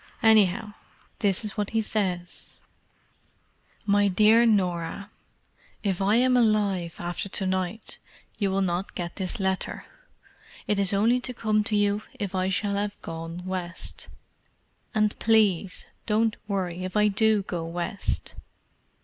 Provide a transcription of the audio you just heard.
Anyhow, this is what he says: "My Dear Norah,— "If I am alive after to night you will not get this letter: it is only to come to you if I shall have 'gone West.' And please don't worry if I do go West.